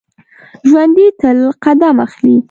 ژوندي تل قدم اخلي